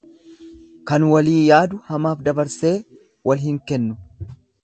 Kan walii yaadu hamaaf dabarsee wal hin kennu.